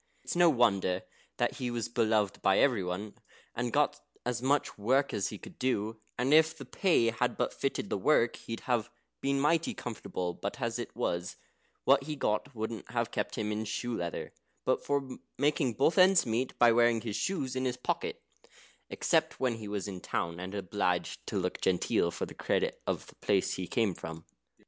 It's no wonder then that he was beloved by every one, and got as much work as he could do, and if the pay had but fitted the work, he'd have been mighty comfortable; but as it was, what he got wouldn't have kept him in shoe leather, but for making both ends meet by wearing his shoes in his pocket, except when he was in the town, and obliged to look genteel for the credit of the place he came from.